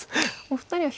お二人は。